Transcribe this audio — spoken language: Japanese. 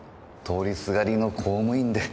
通りすがりの公務員で。